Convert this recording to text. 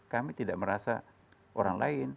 kami tidak merasa orang lain